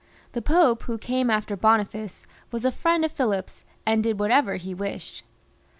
The Pope who came after Boniface was a friend of Philip's, and did whatever he wished.